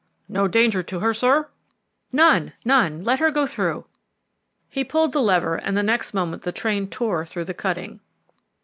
"No danger to her, sir?" "None, none; let her go through." He pulled the lever and the next moment the train tore through the cutting.